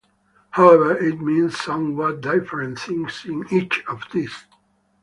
However it means somewhat different things in each of these.